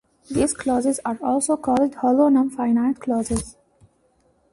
These clauses are also called hollow non-finite clauses.